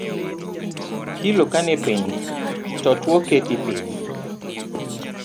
Kilo kanipiny to tuo keti piny